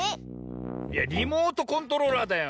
いやリモートコントローラーだよ。